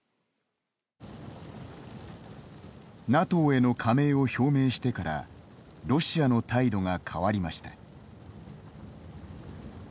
ＮＡＴＯへの加盟を表明してからロシアの態度が変わりました。